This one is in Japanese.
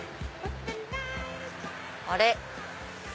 あれ？